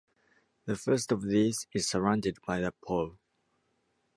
The first of these is surrounded by the Po.